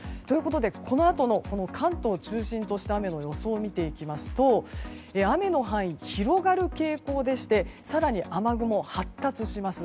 このあとの関東を中心とした雨の予想を見ていきますと雨の範囲が広がる傾向でして更に雨雲は発達します。